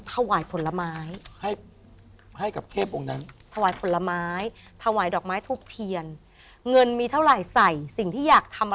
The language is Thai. ทวายผลไม้ที่เราจะต้องทำคือ